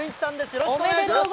よろしくお願いします。